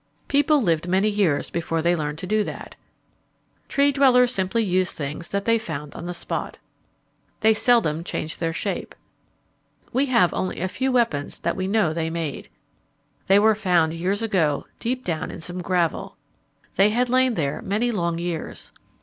People lived many years before they learned to do that. Tree dwellers simply used things that they found on the spot. [Illustration: The chipped pebble] They seldom changed their shape. We have only a few weapons that we know they made. They were found years ago deep down in some gravel. They had lain there many long years.